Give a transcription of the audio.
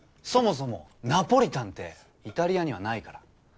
そもそもナポリタンってイタリアにはないから。